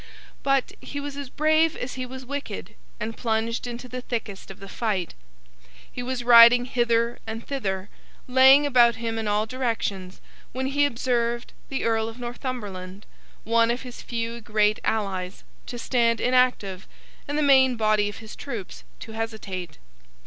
But, he was as brave as he was wicked, and plunged into the thickest of the fight. He was riding hither and thither, laying about him in all directions, when he observed the Earl of Northumberland—one of his few great allies—to stand inactive, and the main body of his troops to hesitate.